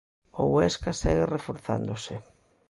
O Huesca segue reforzándose.